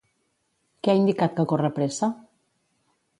Què ha indicat que corre pressa?